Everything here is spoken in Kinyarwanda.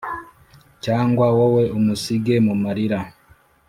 Cg wowe umusige mumarira